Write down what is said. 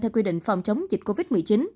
theo quy định phòng chống dịch covid một mươi chín